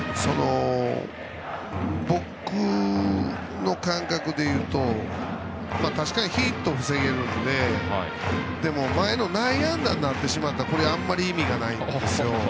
僕の感覚でいうと確かにヒットを防げるのででも、内野安打になってしまったのでは意味がないんですよ。